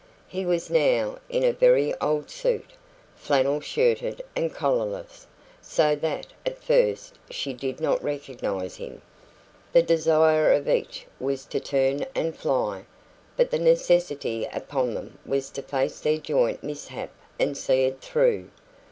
He was now in a very old suit, flannel shirted and collarless, so that at first she did not recognise him. The desire of each was to turn and fly, but the necessity upon them was to face their joint mishap and see it through.